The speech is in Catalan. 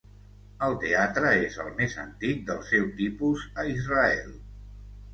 El teatre és el més antic del seu tipus a Israel.